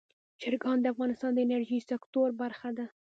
چرګان د افغانستان د انرژۍ سکتور برخه ده.